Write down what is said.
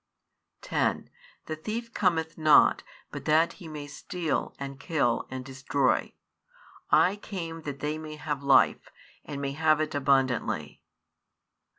10 The thief cometh not, but that he may steal, and kill, and destroy: I came that they may have life, and may have it abundantly.